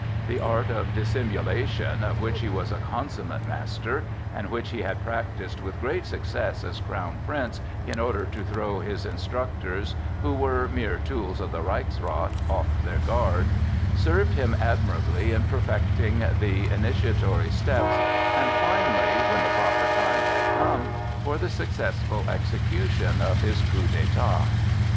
The art of dissimulation, of which he was a consummate master, and which he had practised with great success as Crown Prince in order to throw his instructors, who were mere tools of the Reichsrath, off their guard, served him admirably in perfecting the initiatory steps, and finally, when the proper time had come, for the successful execution of his coup d'état.